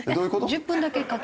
１０分だけかける。